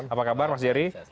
apa kabar mas jerry